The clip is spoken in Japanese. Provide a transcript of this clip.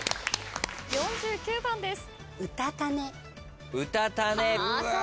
４９番です。